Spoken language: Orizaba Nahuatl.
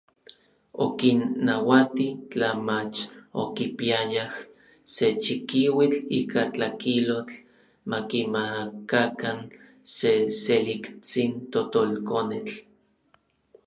Okinnauati, tla mach okipiayaj se chikiuitl ika tlakilotl, makimakakan se seliktsin totolkonetl.